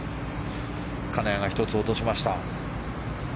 金谷が１つ落としました。